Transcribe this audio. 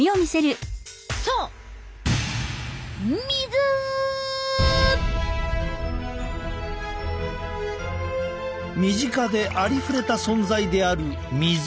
そう身近でありふれた存在である水。